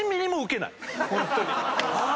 ホントに。